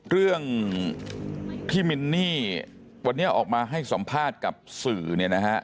เรื่องที่มินนี่วันนี้ออกมาให้สัมภาษณ์กับสื่อเนี่ยนะฮะ